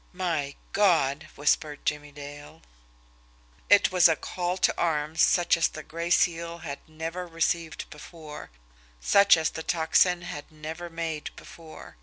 "My God!" whispered Jimmie Dale. It was a call to arms such as the Gray Seal had never received before such as the Tocsin had never made before.